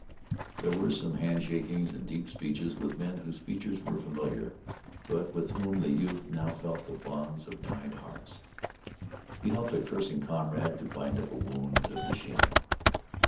There were some handshakings and deep speeches with men whose features were familiar, but with whom the youth now felt the bonds of tied hearts. He helped a cursing comrade to bind up a wound of the shin.